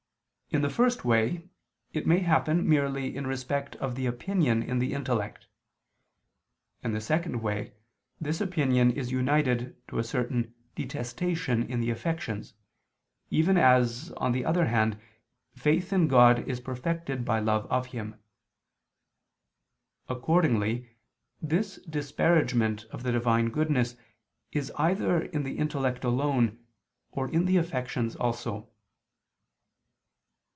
In the first way it may happen merely in respect of the opinion in the intellect; in the second way this opinion is united to a certain detestation in the affections, even as, on the other hand, faith in God is perfected by love of Him. Accordingly this disparagement of the Divine goodness is either in the intellect alone, or in the affections also.